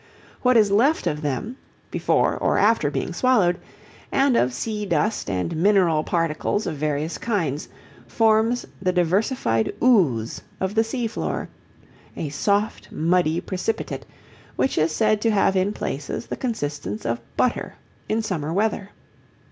What is left of them, before or after being swallowed, and of sea dust and mineral particles of various kinds forms the diversified "ooze" of the sea floor, a soft muddy precipitate, which is said to have in places the consistence of butter in summer weather.